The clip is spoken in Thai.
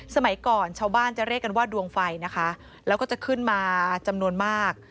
สมัยก่อนชาวบ้านจะเรียกกันว่าดวงไฟนะคะแล้วก็จะขึ้นมาจำนวนมาก